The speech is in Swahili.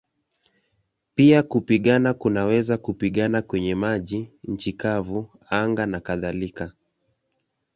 Pia kupigana kunaweza kupigana kwenye maji, nchi kavu, anga nakadhalika.